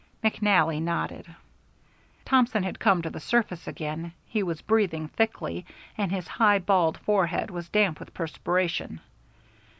McNally nodded. Thompson had come to the surface again. He was breathing thickly, and his high, bald forehead was damp with perspiration.